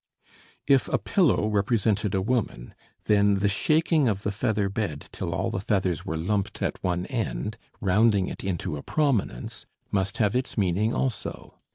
If a pillow represented a woman, then the shaking of the featherbed till all the feathers were lumped at one end, rounding it into a prominence, must have its meaning also.